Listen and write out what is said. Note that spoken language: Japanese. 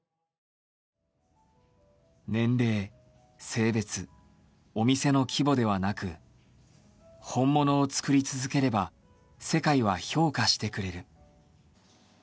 年齢、性別、お店の規模ではなく本物を作り続ければ世界は評価してくれる。